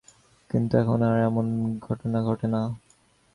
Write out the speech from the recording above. কিন্তু এখন আর এমন ঘটনা ঘটে না।